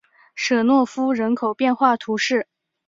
舍诺夫人口变化图示